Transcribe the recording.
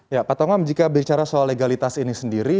ya pak tongam jika bicara soal legalitas ini sendiri